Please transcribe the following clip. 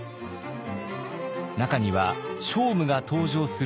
中には聖武が登場する作品も。